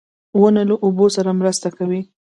• ونه له اوبو سره مرسته کوي.